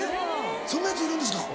そんなヤツいるんですか？